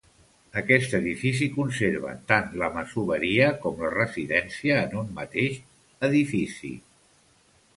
Aquest edifici conserva tant la masoveria com la residència en un mateix edifici.